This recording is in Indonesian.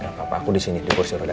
gak apa apa aku disini di kursi roda